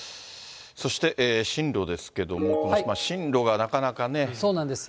そして進路ですけども、そうなんです。